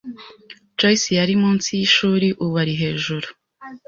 Joyci yari munsi yishuri. Ubu ari hejuru.